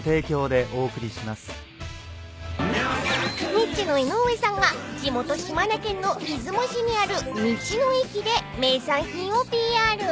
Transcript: ［ニッチェの江上さんが地元島根県の出雲市にある道の駅で名産品をＰＲ］